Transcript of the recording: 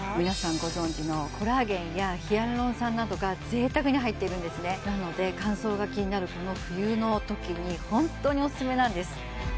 皆さんご存じのコラーゲンやヒアルロン酸などが贅沢に入っているんですねなので乾燥が気になるこの冬のときにホントにオススメなんです